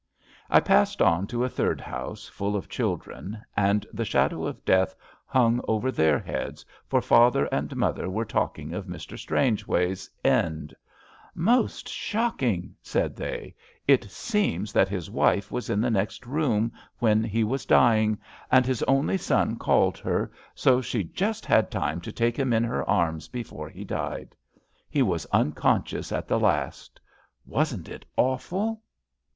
I passed on to a third house full of children, and the shadow of death hung over their heads, for father and mother were talking of Mr. 234 ABAFT THE FUNNEL Strangeways* end.*' Most shocking/' said they. It seems that his wife was in the next room when he was dying, and his only son called her, so she just had time to take him in her arms before he died. He was miconscious at the last. Wasn't it awful?